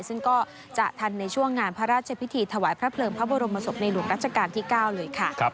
ซึ่งก็จะทันในช่วงงานพระราชพิธีถวายพระเพลิงพระบรมศพในหลวงรัชกาลที่๙เลยค่ะ